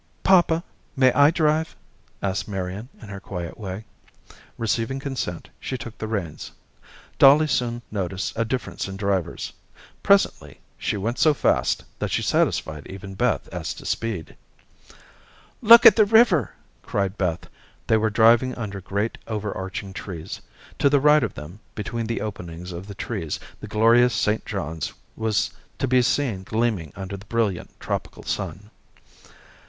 "Papa, may I drive?" asked Marian in her quiet way. Receiving consent, she took the reins. Dolly soon noticed a difference in drivers. Presently she went so fast, that she satisfied even Beth as to speed. "Look at the river," cried Beth. They were driving under great, over arching trees. To the right of them, between the openings of the trees, the glorious St. Johns was to be seen gleaming under the brilliant tropical sun.